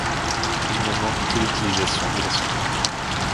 Il ne manque que l'utilisation de la souris.